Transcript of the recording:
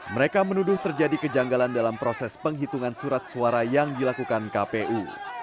mereka menuduh terjadi kejanggalan dalam proses penghitungan surat suara yang dilakukan kpu